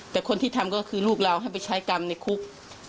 แต่คนที่ทำก็คือลูกเราให้ไปใช้กรรมในคุก